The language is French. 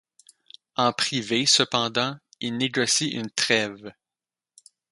En privé cependant, il négocie une trêve.